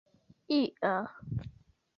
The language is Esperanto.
ia